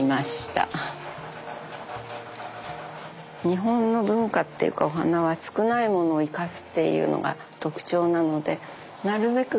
日本の文化っていうかお花は少ないものを生かすっていうのが特徴なのでなるべく